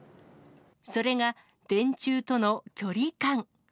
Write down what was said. それが電柱との距離感。